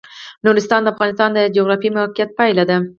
نورستان د افغانستان د جغرافیایي موقیعت پایله ده.